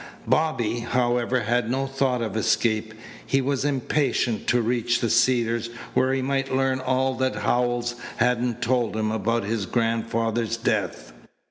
Bobby, however, had no thought of escape. He was impatient to reach the Cedars where he might learn all that Howells hadn't told him about his grandfather's death.